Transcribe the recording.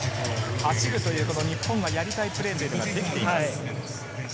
走るという、日本は、やりたいプレーができています。